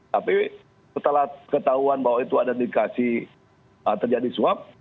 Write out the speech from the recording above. tapi setelah ketahuan bahwa itu ada indikasi terjadi swab